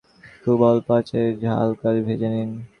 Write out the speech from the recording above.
প্যানে পেঁয়াজ, রসুন, কাঁচা মরিচ খুব অল্প আঁচে হালকা ভেজে নিন।